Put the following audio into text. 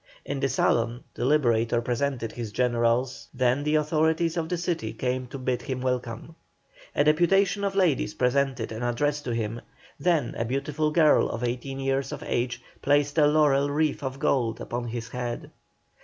In the salon the Liberator presented his generals; then the authorities of the city came to bid him welcome. A deputation of ladies presented an address to him; then a beautiful girl of eighteen years of age placed a laurel wreath of gold upon his head.